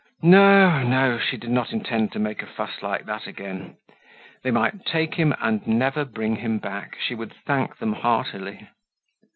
No, no; she did not intend to make a fuss like that again. They might take him and never bring him back; she would thank them heartily.